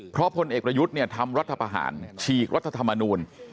เพราะพลเอกประยุทธ์เนี่ยทำรัฐประหารฉีกรัฐธรรมนูล